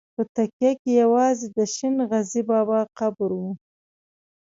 په تکیه کې یوازې د شین غزي بابا قبر و.